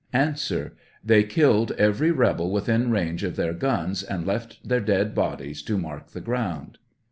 A. They killed every rebel within range of their guns and left their dead bodies to mark the ground.